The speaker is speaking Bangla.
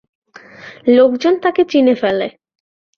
লোকজন তাকে চিনে ফেলে।